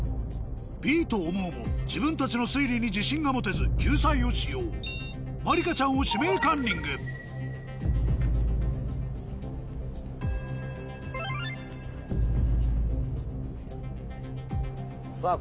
Ｂと思うも自分たちの推理に自信が持てず救済を使用まりかちゃんを「指名カンニング」さぁ